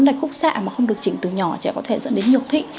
là khúc xạ mà không được chỉnh từ nhỏ trẻ có thể dẫn đến nhược thị